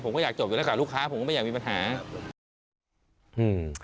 อยากจบอยู่แล้วกับลูกค้าผมก็ไม่อยากมีปัญหาอืม